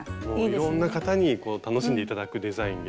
いろんな方に楽しんで頂くデザインに。